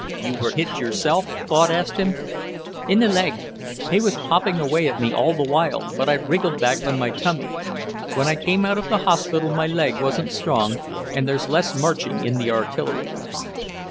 "You were hit yourself?" Claude asked him. "In the leg. He was popping away at me all the while, but I wriggled back on my tummy. When I came out of the hospital my leg wasn't strong, and there's less marching in the artillery.